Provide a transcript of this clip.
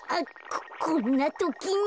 ここんなときに。